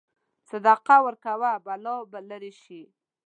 صدقه ورکوه، بلاوې به لرې شي.